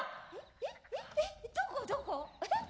えっ？